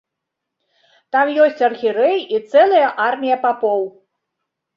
Там ёсць архірэй і цэлая армія папоў.